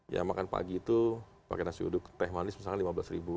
ya makan pagi itu pakai nasi uduk teh manis misalnya lima belas ribu